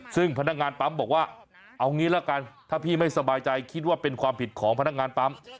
ซึ่งพนักงานปั๊มบอกว่าเอางี้ละกันถ้าพี่ไม่สบายใจคิดว่าเป็นความผิดของพนักงานปั๊ม